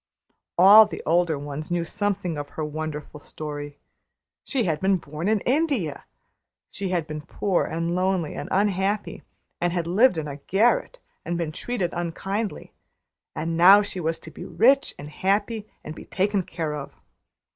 All the older ones knew something of her wonderful story. She had been born in India; she had been poor and lonely and unhappy, and had lived in a garret and been treated unkindly; and now she was to be rich and happy, and be taken care of.